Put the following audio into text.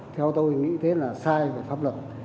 theo tôi nghĩ thế là sai về pháp luật